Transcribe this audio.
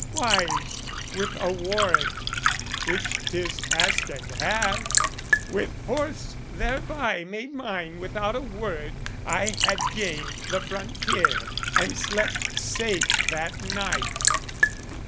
Why, with a warrant which 'tis ask and have, With horse thereby made mine without a word, I had gained the frontier and slept safe that night.